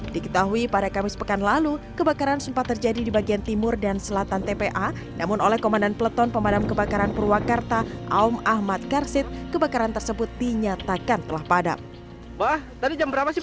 diketahui pada kamis pekan lalu kebakaran sempat terjadi di bagian timur dan selatan tpa namun oleh komandan peleton pemadam kebakaran purwakarta aom ahmad karsit kebakaran tersebut dinyatakan telah padam